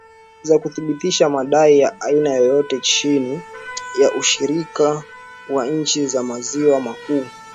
za kuthibitisha madai ya aina yoyote chini ya ushirika wa nchi za maziwa makuu